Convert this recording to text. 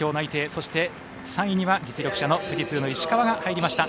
そして、３位には実力者の富士通の石川が入りました。